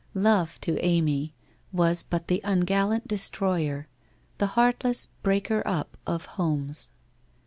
Love, to Amy, was but the ungallant destroyer, the heartless breaker up of homes.